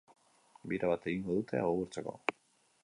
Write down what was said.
Bira bat egingo dute, agurtzeko.